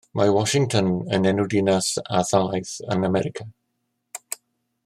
Mae Washington yn enw dinas a thalaith yn America.